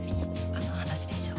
あの話でしょ。